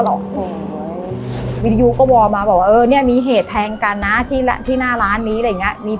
แต่วิธีการต้มเหล็งจะต้องทำยังไงบ้างนั้น